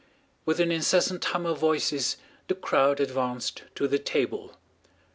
With an incessant hum of voices the crowd advanced to the table.